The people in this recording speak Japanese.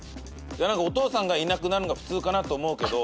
お父さんがいなくなるのが普通かなと思うけど。